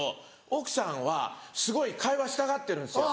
奥さんはすごい会話したがってるんですよ